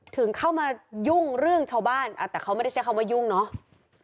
ถึงเข้ามายุ่งเรื่องชาวบ้านแต่เขาไม่ได้ใช้คำว่ายุ่งเนาะ